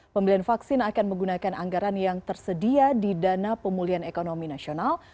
pembelian vaksin akan menggunakan anggaran yang tersedia di dana pemulihan ekonomi nasional